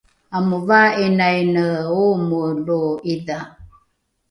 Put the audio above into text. amovaa’inaine oomoe lo’idha